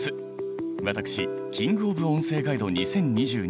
私キング・オブ・音声ガイド２０２２